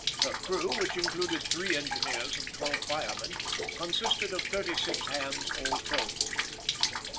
Her crew, which included three engineers and twelve firemen, consisted of thirty six hands all told.